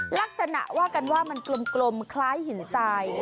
ลักษณะว่ากันว่ามันกลมคล้ายหินทราย